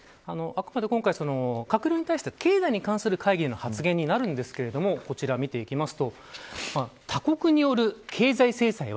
あくまで今回、閣僚に対して経済に関する会議の発言になるんですがこちらを見ていきます。